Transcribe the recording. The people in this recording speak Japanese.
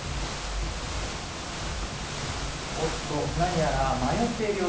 おっと何やら迷っている様子です。